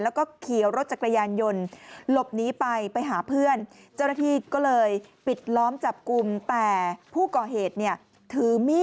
แล้วก็เขียวรถจักรยานยนต์หลบหนีไปไปหาเพื่อน